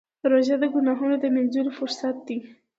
روژه د ګناهونو د مینځلو فرصت دی.